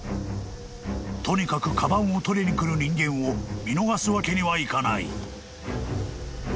［とにかくかばんを取りに来る人間を見逃すわけにはいかない］